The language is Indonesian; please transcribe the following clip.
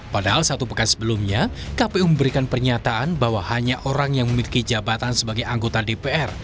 padahal satu pekan sebelumnya kpu memberikan pernyataan bahwa hanya orang yang memiliki jabatan sebagai anggota dpr